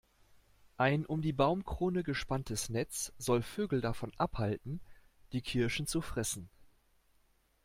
Ein um die Baumkrone gespanntes Netz soll Vögel davon abhalten, die Kirschen zu fressen.